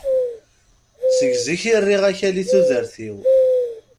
Seg zik i rriɣ akal i tudert-iw.